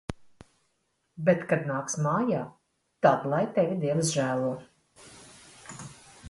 Bet kad nāks mājā, tad lai tevi Dievs žēlo.